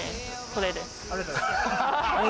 これで。